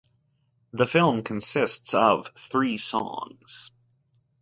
The film consists of three songs.